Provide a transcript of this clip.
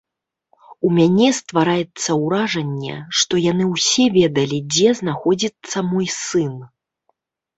У мяне ствараецца ўражанне, што яны ўсе ведалі, дзе знаходзіцца мой сын.